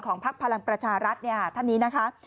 ของภักดิ์พลังประชารัฐเนี่ยท่านนี้นะคะ